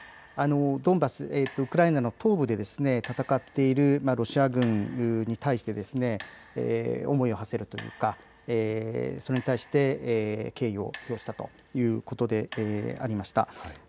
ドンバス、ウクライナの東部で戦っているロシア軍に対して思いをはせるというかそれに対して敬意を表したということでありました。